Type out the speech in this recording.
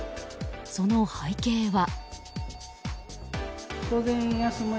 その背景は。